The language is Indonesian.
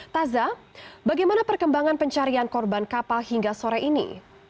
taza bagaimana perkembangan pencarian korban kapal hingga sore ini